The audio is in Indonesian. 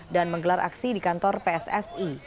dan menggelar aksi di kantor pssi